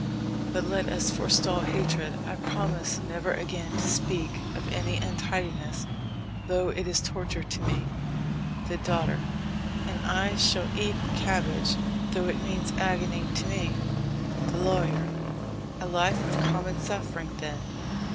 But let us forestall hatred. I promise never again to speak of any untidiness although it is torture to me! THE DAUGHTER. And I shall eat cabbage, though it means agony to me. THE LAWYER. A life of common suffering, then!